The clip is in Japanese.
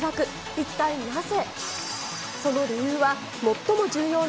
一体なぜ？